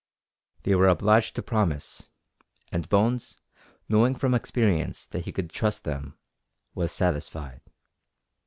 They were obliged to promise, and Bones, knowing from experience that he could trust them, was satisfied.